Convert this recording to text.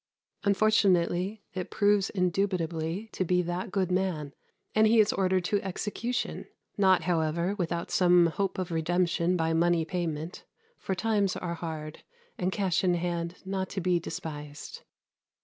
" Unfortunately it proves indubitably to be that good man; and he is ordered to execution, not, however, without some hope of redemption by money payment; for times are hard, and cash in hand not to be despised.